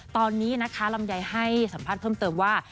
ตอนนี้นะคะลำไยให้สัมภาษณ์เพิ่มเติมว่า